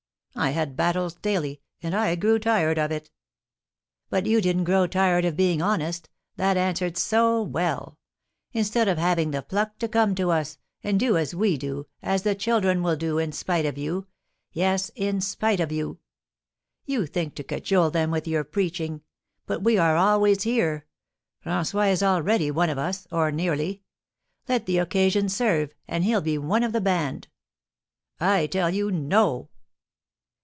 I had battles daily, and I grew tired of it." "But you didn't grow tired of being honest, that answered so well! Instead of having the pluck to come to us, and do as we do, as the children will do, in spite of you, yes, in spite of you! You think to cajole them with your preaching! But we are always here. François is already one of us, or nearly. Let the occasion serve, and he'll be one of the band." "I tell you, no!"